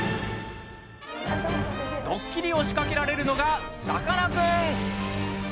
ドッキリを仕掛けられるのがさかなクン！